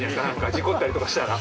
事故ったりとかしたら。